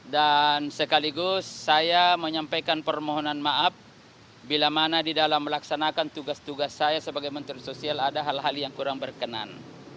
dan sekaligus saya menyampaikan permohonan maaf bila mana di dalam melaksanakan tugas tugas saya sebagai menteri sosial ada hal hal yang kurang berkenan